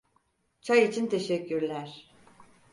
Çay için teşekkürler.